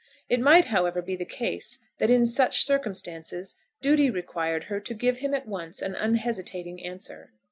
It might however be the case that in such circumstances duty required her to give him at once an unhesitating answer.